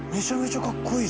えかっこいい！